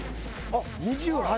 あっ２８？